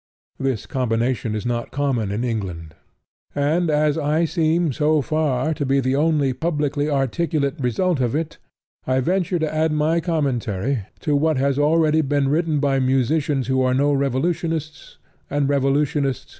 This combination is not common in England; and as I seem, so far, to be the only publicly articulate result of it, I venture to add my commentary to what has already been written by musicians who are no revolutionists, and revolutionists who are no musicians.